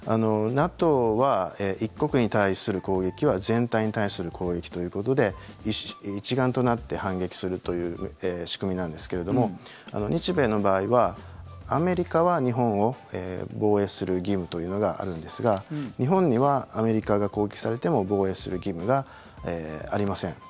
ＮＡＴＯは１国に対する攻撃は全体に対する攻撃ということで一丸となって反撃するという仕組みなんですけれども日米の場合はアメリカは日本を防衛する義務というのがあるんですが日本にはアメリカが攻撃されても防衛する義務がありません。